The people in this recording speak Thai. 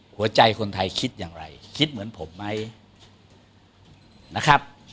หัวใจคนไทยคิดอย่างไรคิดเหมือนผมไหมนะครับ